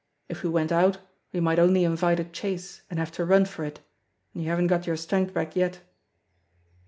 "If we went out we might only invite a chase and have to run for it, and you haven't got your strength back yet.